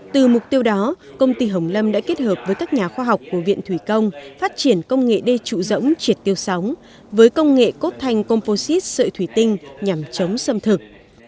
từ mục tiêu đó công ty hồng lâm đã kết hợp với các nhà khoa học của viện thủy công phát triển công nghệ đê trụ rỗng triệt tiêu sóng với công nghệ cốt thanh composite sợi thủy tinh nhằm chống xâm thực